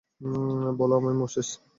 বলো আমায়, মোসেস।